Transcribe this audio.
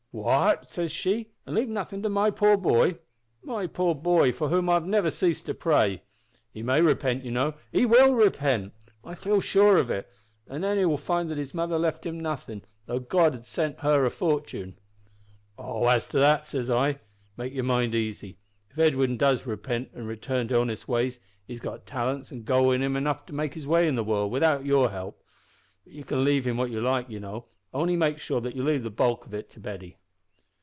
"`What!' says she, `an' leave nothin' to my boy? my poor boy, for whom I have never ceased to pray! He may repent, you know he will repent. I feel sure of it and then he will find that his mother left him nothing, though God had sent her a fortune.' "`Oh! as to that,' says I, `make your mind easy. If Edwin does repent an' turn to honest ways, he's got talents and go enough in him to make his way in the world without help; but you can leave him what you like, you know, only make sure that you leave the bulk of it to Betty.'